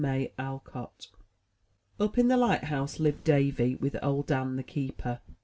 Alcott Up in the light house lived Davy, with Old Dan, the keeper.